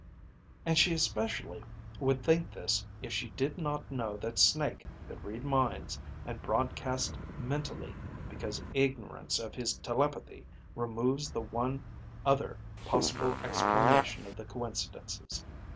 And she especially would think this if she did not know that Snake could read minds and broadcast mentally, because ignorance of his telepathy removes the one other possible explanation of the coincidences.